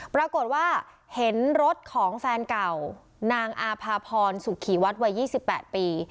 ปรากฏว่าเห็นรถของแฟนเก่านางอาภาพรสุขีวัดวัย๒๘ปี